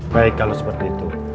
baik kalau seperti itu